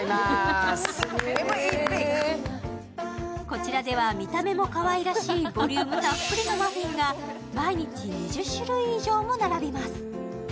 こちらでは見た目もかわいらしいボリュームたっぷりのマフィンが毎日２０種類以上も並びます。